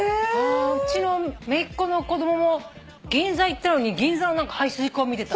うちのめいっ子の子供も銀座行ったのに銀座の排水溝見てた。